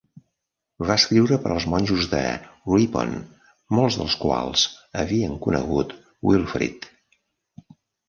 Va escriure per als monjos de Ripon, molts dels quals havien conegut Wilfrid.